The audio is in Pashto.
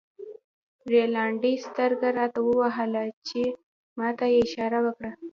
رینالډي سترګه راته ووهله چې ما ته یې اشاره وکړه.